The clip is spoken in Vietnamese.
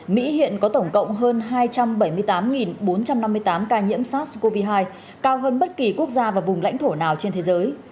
mỹ hiện có tổng cộng hơn hai trăm bảy mươi tám bốn trăm năm mươi tám ca nhiễm sars cov hai cao hơn bất kỳ quốc gia và vùng lãnh thổ nào trên thế giới